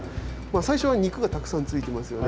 最初は肉がたくさんついてますよね？